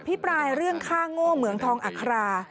ปลายเรื่องฆ่าโง่เหมืองทองอัครา